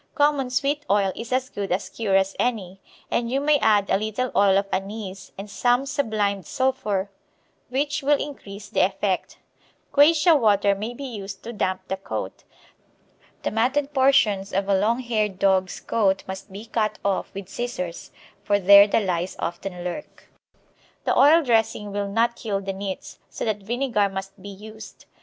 Common sweet oil is as good a cure as any, and you may add a little oil of anise and some sublimed sulphur, which will increase the effect. Quassia water may be used to damp the coat. The matted portions of a long haired dog's coat must be cut off with scissors, for there the lice often lurk. The oil dressing will not kill the nits, so that vinegar must be used.